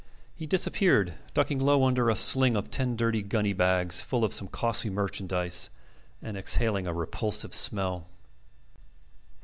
He disappeared, ducking low under a sling of ten dirty gunny bags full of some costly merchandise and exhaling a repulsive smell.